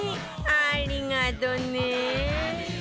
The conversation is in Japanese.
ありがとうねえ！